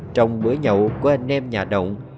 trong bữa nhậu của anh em nhà động